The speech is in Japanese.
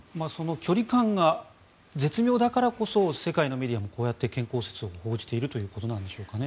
距離感が絶妙だからこそ世界のメディアもこうやって健康不安説を報じているということなんですかね。